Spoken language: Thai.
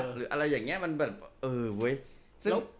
หรืออะไรอย่างนี้มันแบบเออเว้ย